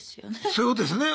そういうことですよね。